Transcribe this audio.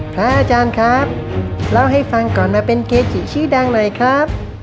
พระอาจารย์ครับเล่าให้ฟังก่อนมาเป็นเกจิชื่อดังหน่อยครับ